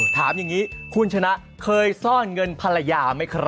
ถามอย่างนี้คุณชนะเคยซ่อนเงินภรรยาไหมครับ